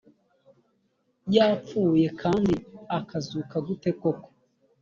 yapfuye kandi akazuka gute koko